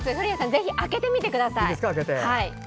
ぜひ開けてみてください。